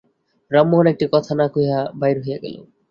রামমোহন একটি কথা না কহিয়া বাহির হইয়া গেল।